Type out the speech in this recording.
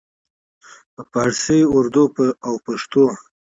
په پارسي، اردو او پښتو